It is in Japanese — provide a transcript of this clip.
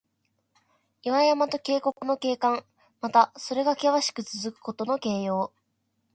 岩山と渓谷の景観。また、それがけわしくつづくことの形容。